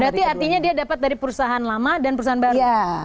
berarti artinya dia dapat dari perusahaan lama dan perusahaan baru